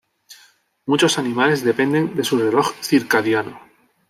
Muchos animales dependen de su reloj circadiano.